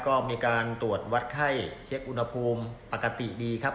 ก็มีการตรวจวัดไข้เช็คอุณหภูมิปกติดีครับ